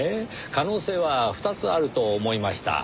可能性は２つあると思いました。